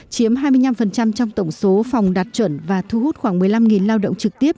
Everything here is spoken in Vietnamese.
chiếm hai mươi năm trong tổng số phòng đạt chuẩn và thu hút khoảng một mươi năm lao động trực tiếp